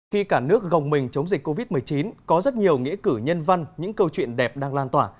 khi cả nước gồng mình chống dịch covid một mươi chín có rất nhiều nghĩa cử nhân văn những câu chuyện đẹp đang lan tỏa